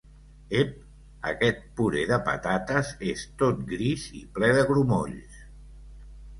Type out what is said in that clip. Ep! Aquest puré de patates és tot gris i ple de grumolls!